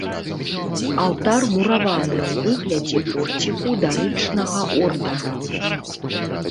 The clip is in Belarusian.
Алтар мураваны ў выглядзе порціку дарычнага ордара.